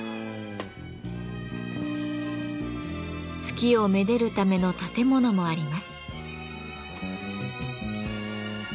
月をめでるための建物もあります。